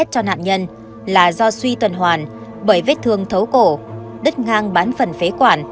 chết cho nạn nhân là do suy tuần hoàn bởi vết thương thấu cổ đứt ngang bán phần phế quản